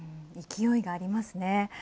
勢いがありますね。